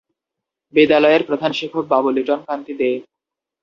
বিদ্যালয়ের প্রধান শিক্ষক বাবু লিটন কান্তি দে।